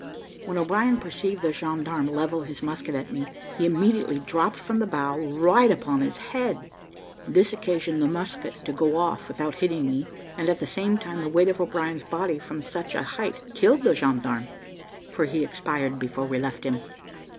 When O'Brien perceived the gendarme level his musket at me, he immediately dropped from the bough, right upon his head; this occasioned the musket to go off, without hitting me, and at the same time the weight of O'Brien's body from such a height killed the gendarme, for he expired before we left him.